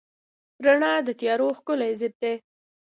رڼا د تیارو ښکلی ضد دی.